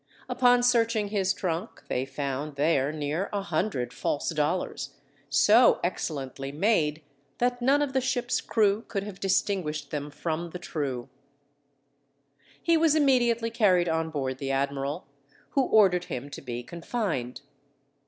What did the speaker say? Upon searching his trunk they found there near a hundred false dollars, so excellently made that none of the ship's crew could have distinguished them from the true. He was immediately carried on board the admiral, who ordered him to be confined.